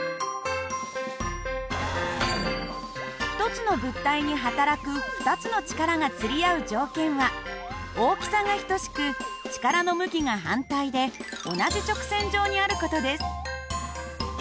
１つの物体に働く２つの力がつり合う条件は大きさが等しく力の向きが反対で同じ直線上にある事です。